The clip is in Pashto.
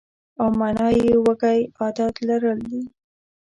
او مانا یې وږی عادت لرل دي.